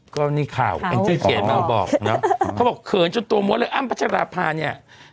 ก็นี่ข่าวแอนเจ้าเกียรติมาบอกเนอะเขาบอกเขินจนตัวหมดเลยอ้าวปัจจาราภาเนี่ย